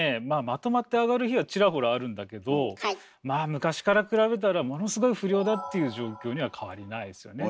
まとまって揚がる日はちらほらあるんだけどまあ昔から比べたらものすごい不漁だっていう状況には変わりないですよね。